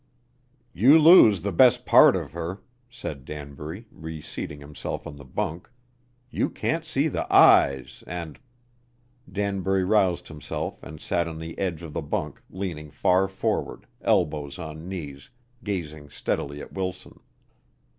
"You lose the best part of her," said Danbury, reseating himself on the bunk. "You can't see the eyes and " Danbury roused himself and sat on the edge of the bunk leaning far forward, elbows on knees, gazing steadily at Wilson.